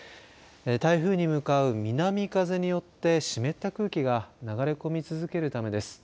台風に向かう南風によって湿った空気が流れ込み続けるためです。